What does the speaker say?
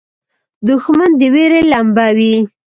دښمن د وېرې لمبه وي